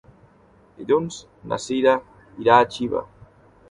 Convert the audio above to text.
Dilluns na Cira irà a Xiva.